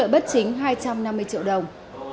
bất chính hai trăm năm mươi triệu đồng